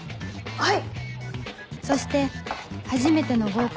はい。